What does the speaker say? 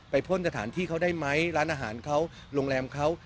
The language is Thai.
พ่นสถานที่เขาได้ไหมร้านอาหารเขาโรงแรมเขา